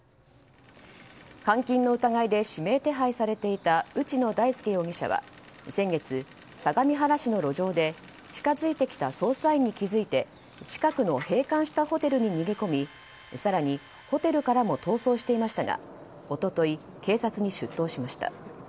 監禁の疑いで指名手配されていた内野大輔容疑者は先月、相模原市の路上で近づいてきた捜査員に気づいて近くの閉館したホテルに逃げ込み更に、ホテルからも逃走していましたが一昨日、警察に出頭しました。